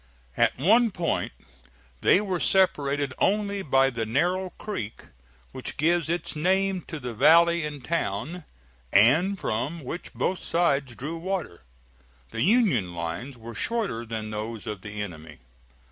At one point they were separated only by the narrow creek which gives its name to the valley and town, and from which both sides drew water. The Union lines were shorter than those of the enemy.